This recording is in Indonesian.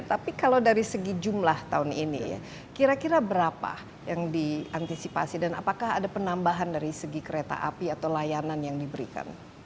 tapi kalau dari segi jumlah tahun ini ya kira kira berapa yang diantisipasi dan apakah ada penambahan dari segi kereta api atau layanan yang diberikan